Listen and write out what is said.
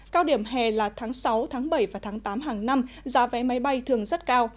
cao điểm hè là tháng sáu tháng bảy và tháng tám hàng năm giá vé máy bay thường rất cao